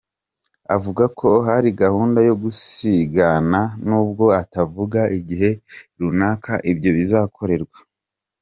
Avuga ko hari gahunda yo kugisana nubwo atavuga igihe rukanaka ibyo bizakorerwa.